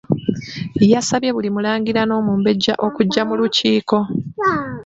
Yasabye buli mulangira n’omumbejja okujja mu lukiiko.